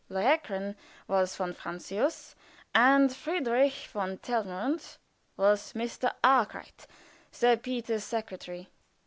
Lohengrin was von Francius, and Friedrich von Telramund was Mr. Arkwright, Sir Peter's secretary.